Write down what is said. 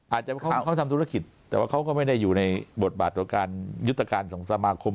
อาจจะเขาทำธุรกิจแต่ว่าเขาก็ไม่ได้อยู่ในบทบาทของการยุติการสมาคม